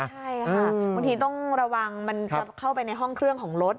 ใช่ค่ะบางทีต้องระวังมันจะเข้าไปในห้องเครื่องของรถ